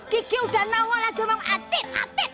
kiki udah nawa lajama atit atit atit atit